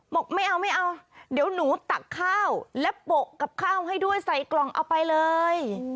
บอกไม่เอาไม่เอาเดี๋ยวหนูตักข้าวและโปะกับข้าวให้ด้วยใส่กล่องเอาไปเลย